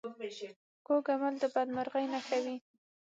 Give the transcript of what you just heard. کوږ عمل د بدمرغۍ نښه وي